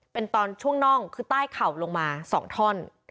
เป็นตอนช่วงน่องคือใต้เข่าลงมา๒ท่อน